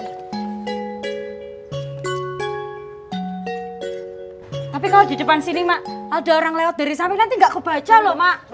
tapi kalau di depan sini mak ada orang lewat dari samping nanti gak kebaca loh mak